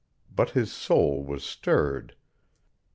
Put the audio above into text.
But his soul was stirred.